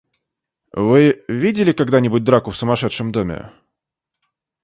Вы видели когда-нибудь драку в сумасшедшем доме?